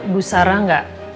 bu sarah ga